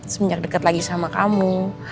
semenjak dekat lagi sama kamu